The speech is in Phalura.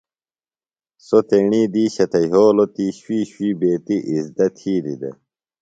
سوۡ تیݨی دِیشہ تھےۡ یھولوۡ۔ تی شُوئ شُوی بیتیۡ اِزدہ تِھیلیۡ دےۡ۔